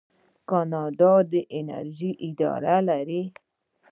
کاناډا د انرژۍ اداره لري.